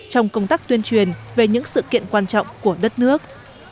trong công tác tuyên truyền về những sự kiện quan trọng của đất nước